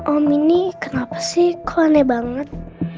om ini kenapa sih kok aneh banget